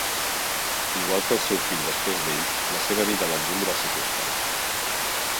Igual que el seu fill després d'ell, la seva vida a l'exili va ser curta.